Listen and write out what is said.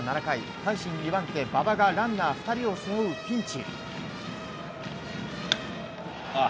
阪神２番手、馬場がランナー２人を背負うピンチ。